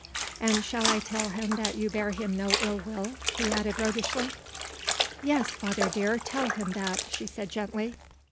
And ... shall I tell him that you bear him no ill will?" he added roguishly. "Yes, father dear, tell him that," she said gently.